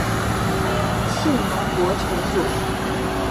信浓国城主。